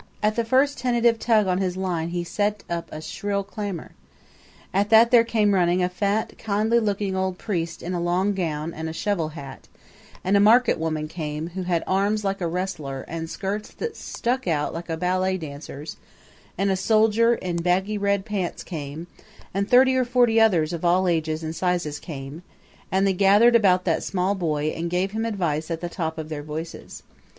At the first tentative tug on his line he set up a shrill clamor. At that there came running a fat, kindly looking old priest in a long gown and a shovel hat; and a market woman came, who had arms like a wrestler and skirts that stuck out like a ballet dancer's; and a soldier in baggy red pants came; and thirty or forty others of all ages and sizes came and they gathered about that small boy and gave him advice at the top of their voices.